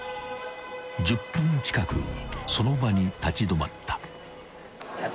［１０分近くその場に立ち止まった］